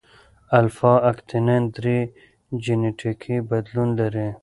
الفا اکتینین درې جینیټیکي بدلون لري.